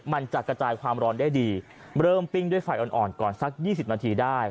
มันจะกระจายความร้อนได้ดีเริ่มปิ้งด้วยไฟอ่อนก่อนสัก๒๐นาทีได้